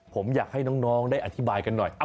ผมอยากให้น้องได้อธิบายกันหน่อย